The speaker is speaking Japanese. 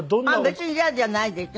別に嫌じゃないです。